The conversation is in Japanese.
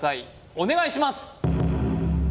お願いします